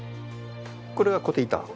これはコテ板。